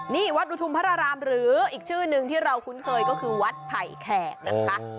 นี่วัดอุทุมพระรามหรืออีกชื่อนึงที่เราคุ้นเคยก็คือวัดไผ่แขกนะคะ